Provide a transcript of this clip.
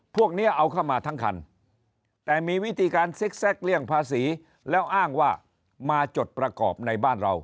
พวกนี้เอาเข้ามาทั้งคันแต่มีวิธีการซิกแก๊กเลี่ยงภาษีแล้วอ้างว่ามาจดประกอบในบ้านเรา